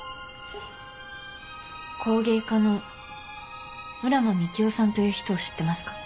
工芸家の浦真幹夫さんという人を知ってますか？